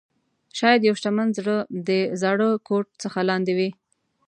شاید یو شتمن زړه د زاړه کوټ څخه لاندې وي.